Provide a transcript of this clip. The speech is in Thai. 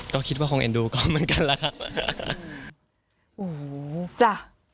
ก็คิดว่าคงแฮ็นดูก๊อปเหมือนกันล่ะครับ